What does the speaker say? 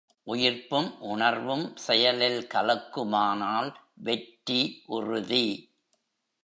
உயிர்ப்பும் உணர்வும் செயலில் கலக்குமானால் வெற்றி உறுதி.